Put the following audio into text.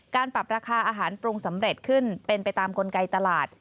การปรับราคาอาหารปรุงสำเร็จขึ้นเป็นไปตามกลไกตลาด